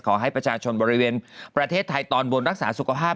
ขอให้ประชาชนบริเวณประเทศไทยตอนบนรักษาสุขภาพ